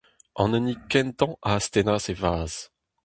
An hini kentañ a astennas e vazh.